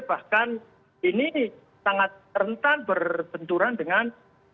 bahkan ini sangat rentan berbenturan dengan